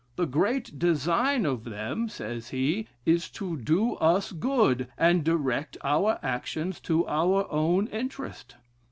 The great design of them (says he,) is to do us good, and direct our actions to our own interest.